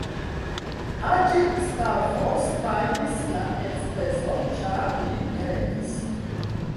Haĝi-Stavros pagis la elspezon, ĉar li heredis.